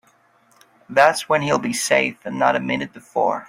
That's when he'll be safe and not a minute before.